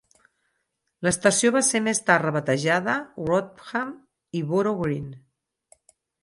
L'estació va ser més tard rebatejada Wrotham i Boro Green.